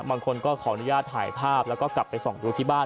บางคนก็ขออนุญาตถ่ายภาพแล้วก็กลับไปส่องดูที่บ้าน